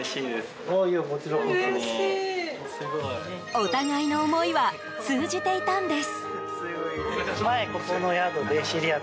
お互いの思いは通じていたんです。